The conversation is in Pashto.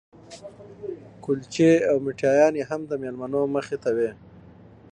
کلچې او میټایانې هم د مېلمنو مخې ته وې.